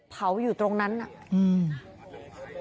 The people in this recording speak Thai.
เผาอยู่ตรงนั้นน่ะ